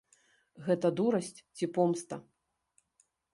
Гэта дурасць ці помста?